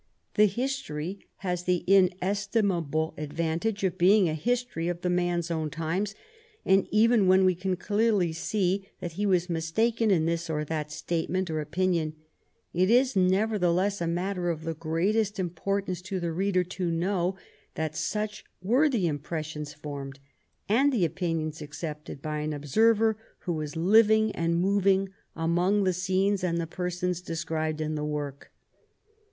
The history has the inestimable advantage of being a history of the man's own times, and even when we can clearly see that he was mistaken in this or that statement or opinion, it is nevertheless a matter of the greatest im portance to the reader to know that such were the im pressions formed and the opinions accepted by an ob server who was living and moving among the scenes and the persons described in the work.